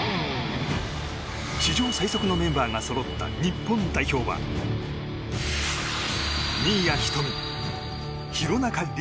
史上最速のメンバーがそろった日本代表は新谷仁美、廣中璃